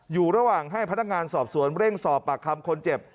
อยู่ระหว่างให้พนักงานสอบสวนเร่งสอบปากคำคนเจ็บ